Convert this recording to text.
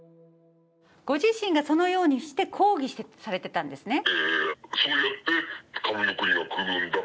ご自身がそのようにして抗議されていたんですね？